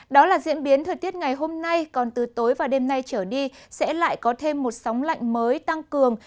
đó là diễn biến thời tiết ngày hôm nay còn từ tối và đêm nay trở đi sẽ lại có thêm một sóng lạnh mới tăng cường